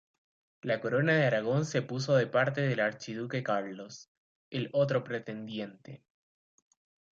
La Corona de Aragón se puso de parte del archiduque Carlos, el otro pretendiente.